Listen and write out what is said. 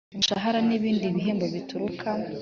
Umushahara n ibindi bihembo bituruka